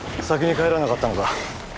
先に帰らなかったのか？